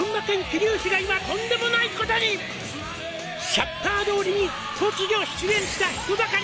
「シャッター通りに突如出現した人だかり」